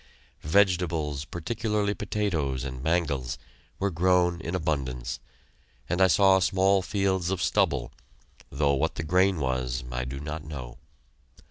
Vegetables, particularly potatoes and mangels, were grown in abundance, and I saw small fields of stubble, though what the grain was I do not know.